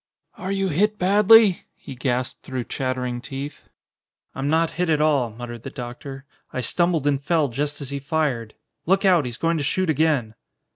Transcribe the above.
"Are you hit badly?" he gasped through chattering teeth. "I'm not hit at all," muttered the doctor. "I stumbled and fell just as he fired. Look out! He's going to shoot again!"